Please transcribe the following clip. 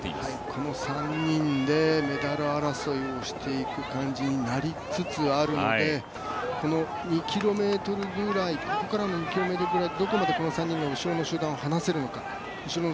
この３人でメダル争いをしていく感じになりつつあるのでこの２ｋｍぐらいこの３人がどれだけ後ろの集団を離せるかどうか。